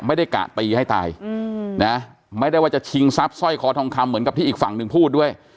กะตีให้ตายนะไม่ได้ว่าจะชิงทรัพย์สร้อยคอทองคำเหมือนกับที่อีกฝั่งหนึ่งพูดด้วย